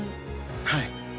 はい。